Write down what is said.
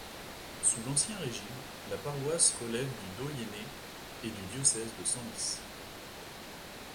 Sous l'Ancien Régime, la paroisse relève du doyenné et du diocèse de Senlis.